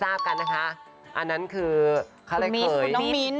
อันนั้นคือคุณน้องมิ้น